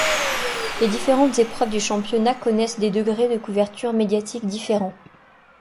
Les différentes épreuves du championnat connaissent des degrés de couverture médiatique différents.